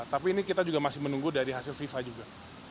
tapi ini kita juga masih menunggu dari hasil fifa juga